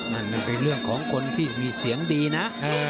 มันมีเรื่องของคนที่มีเสียงดีหน่ะ